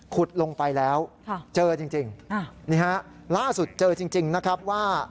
ลงไปแล้วเจอจริงนี่ฮะล่าสุดเจอจริงนะครับว่า